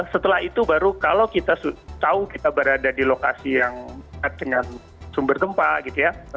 setelah itu baru kalau kita tahu kita berada di lokasi yang dekat dengan sumber gempa gitu ya